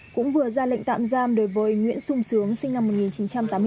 cũng vừa ra lệnh tạm giam đối với nguyễn sung sướng sinh năm một nghìn chín trăm tám mươi bốn